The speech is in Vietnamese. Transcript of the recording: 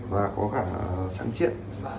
và có cả sang chiết